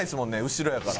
後ろやから。